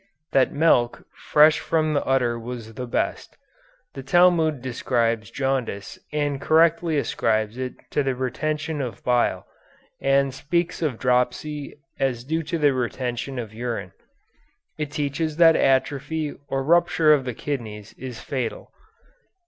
That milk fresh from the udder was the best. The Talmud describes jaundice and correctly ascribes it to the retention of bile, and speaks of dropsy as due to the retention of urine. It teaches that atrophy or rupture of the kidneys is fatal.